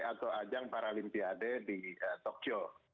atau ajang paralimpiade di tokyo